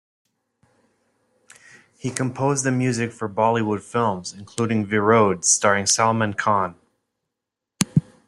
He composed the music for Bollywood films, including Virod, starring Salman Khan.